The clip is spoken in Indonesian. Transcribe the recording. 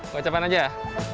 gue capain aja ya